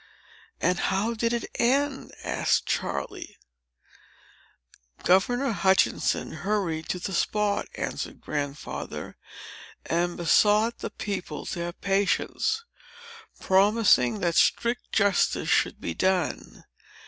"And how did it end?" asked Charley. "Governor Hutchinson hurried to the spot," said Grandfather, "and besought the people to have patience, promising that strict justice should be done.